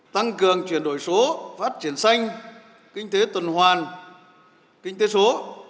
tăng cường chuyển đổi số phát triển xanh kinh tế tuần hoàn kinh tế số